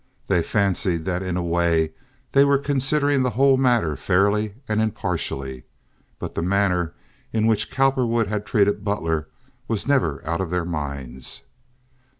They fancied that in a way they were considering the whole matter fairly and impartially; but the manner in which Cowperwood had treated Butler was never out of their minds.